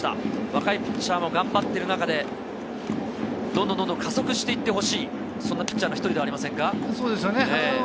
若いピッチャーも頑張っている中で、どんどん加速していってほしい、そんなピッチャーの１人ではありませんか？